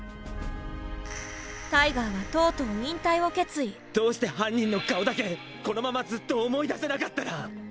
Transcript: タイガーはとうとうどうして犯人の顔だけこのままずっと思い出せなかったら。